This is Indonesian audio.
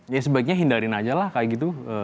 ya sebaiknya hindarin aja lah kayak gitu